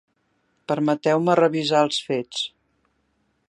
Permeteu-me revisar els fets.